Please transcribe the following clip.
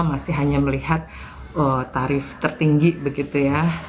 masih hanya melihat tarif tertinggi begitu ya